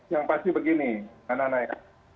yang pasti begini anak anak